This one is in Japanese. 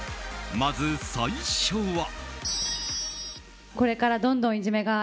まず最初は。